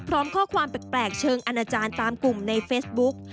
พร้อมข้อความแปลกเชิงอนาจารย์ตามกลุ่มในเฟซบุ๊ก